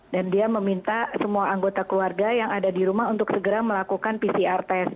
dan dia meminta semua anggota keluarga yang ada di rumah untuk segera melakukan pcr test